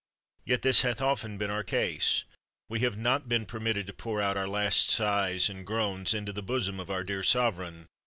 Yet this hath often been our case ! We have not been permit ted to pour out our last sighs and groans into the bosom of our dear sovereign.